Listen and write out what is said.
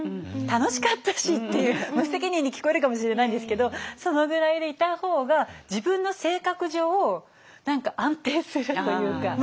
楽しかったしっていう無責任に聞こえるかもしれないんですけどそのぐらいでいた方が自分の性格上何か安定するというか。